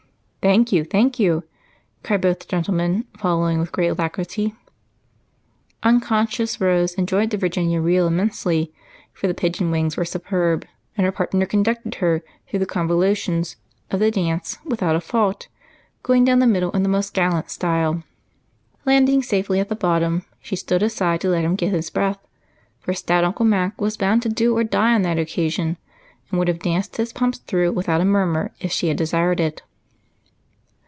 "Thank you, thank you!" cried both gentlemen, following with great alacrity. Unconscious, Rose enjoyed that Virginia reel immensely, for the pigeon wings were superb, and her partner conducted her through the convolutions of the dance without a fault, going down the middle in his most gallant style. Landing safely at the bottom, she stood aside to let him get his breath, for stout Uncle Mac was bound to do or die on that occasion and would have danced his pumps through without a murmur if she had desired it.